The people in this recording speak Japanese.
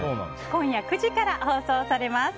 今夜９時から放送されます。